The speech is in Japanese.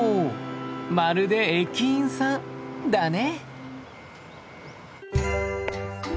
まるで駅員さんだね。